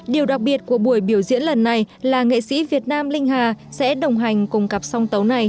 điều đặc biệt của buổi biểu diễn lần này là nghệ sĩ việt nam linh hà sẽ đồng hành cùng cặp song tấu này